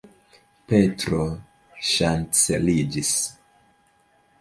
Petro ŝanceliĝis.